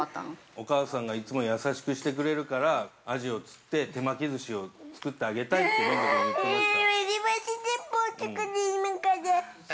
◆お母さんが、いつも優しくしてくれるから、アジを釣って、手巻きずしを作ってあげたいってれんと君言っていました。